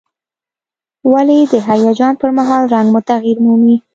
ولې د هیجان پر مهال رنګ مو تغییر مومي؟